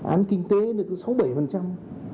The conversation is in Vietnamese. án kinh tế được có sáu bảy phần trăm